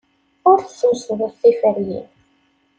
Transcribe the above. Ur tesmesdeḍ tiferyin.